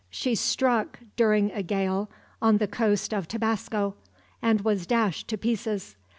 "She struck during a gale on the coast of Tabasco, and was dashed to pieces.